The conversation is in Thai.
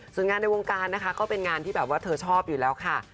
ส่วนงานในวงการนะคะก็เป็นงานที่แบบว่าเธอชอบอยู่แล้วค่ะ